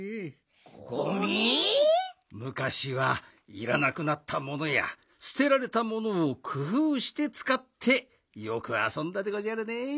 むかしはいらなくなったものやすてられたものをくふうしてつかってよくあそんだでごじゃるねえ。